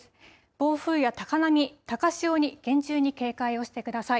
暴風や高波、高潮に厳重に警戒をしてください。